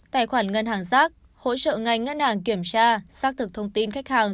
tài khoản ngân hàng rác hỗ trợ ngành ngân hàng kiểm tra xác thực thông tin khách hàng